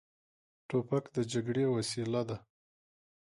توپک د جګړې وسیله ده.